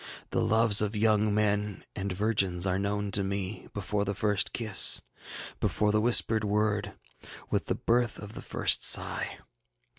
The loves of young men and virgins are known to me, before the first kiss, before the whispered word, with the birth of the first sigh.